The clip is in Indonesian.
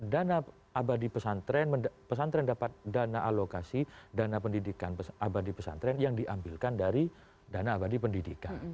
dana abadi pesantren pesantren dapat dana alokasi dana pendidikan abadi pesantren yang diambilkan dari dana abadi pendidikan